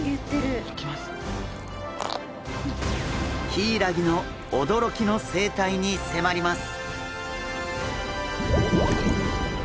ヒイラギの驚きの生態に迫ります！